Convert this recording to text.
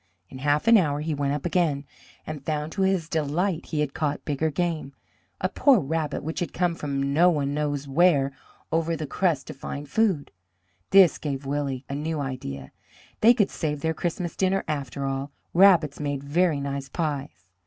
In half an hour he went up again, and found to his delight he had caught bigger game a poor rabbit which had come from no one knows where over the crust to find food. This gave Willie a new idea; they could save their Christmas dinner after all; rabbits made very nice pies.